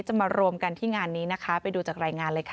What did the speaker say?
มารวมกันที่งานนี้นะคะไปดูจากรายงานเลยค่ะ